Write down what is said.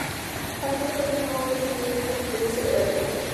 Además, la pareja no había tenido un hijo que pudiese heredar el imperio.